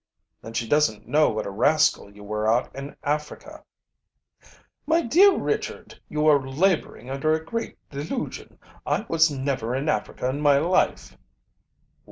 "Then she doesn't know what a rascal you were out in Africa." "My dear Richard, you are laboring under a great delusion. I was never in Africa in my life."